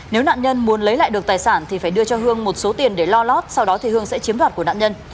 nếu nạn nhân muốn lấy lại được tài sản thì phải đưa cho hương một số tiền để lo lót sau đó thì hương sẽ chiếm đoạt của nạn nhân